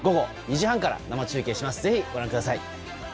ぜひご覧ください。